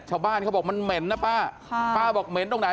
ชาวบ้านเขาบอกมันเหม็นนะป้าค่ะป้าบอกเหม็นตรงไหน